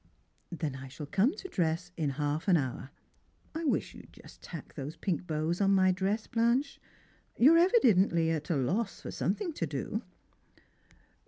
" Then I shall come to dress in half an hour. I wish you'd iust tack those pink bows on my dress, Blanche — you're evidently at a loss for something to do."